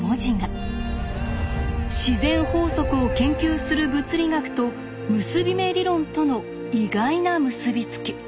自然法則を研究する物理学と結び目理論との意外な結び付き。